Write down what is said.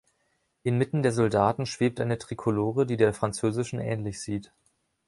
Inmitten der Soldaten schwebt eine Trikolore, die der französischen ähnlich sieht.